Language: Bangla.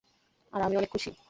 আর আমিও অনেক খুশি।